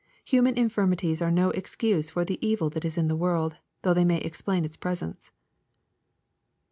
Human infirmities are no excuse for the evil that is in the world, though they may explain its presence.